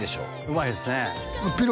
うまいですねぴ